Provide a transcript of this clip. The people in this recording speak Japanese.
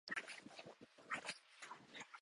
たくさん食べる